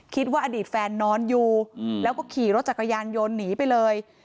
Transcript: คิดว่าอดีตแฟนนอนอยู่แล้วก็ขี่รถจักรยานยนต์หนีไปเลย